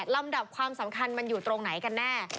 ลำดับความสำคัญมันอยู่ตรงไหนกันแน่